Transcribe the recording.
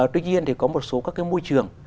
tuy nhiên thì có một số các môi trường